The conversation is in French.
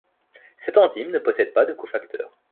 Cette enzyme ne possède pas de cofacteur.